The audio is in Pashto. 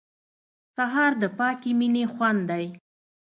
سهار د پاکې مینې خوند دی.